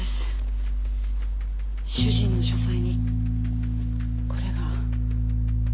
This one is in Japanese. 主人の書斎にこれが。